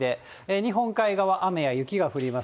日本海側、雨や雪が降ります。